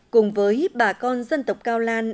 cùng với bà con dân tộc cao lan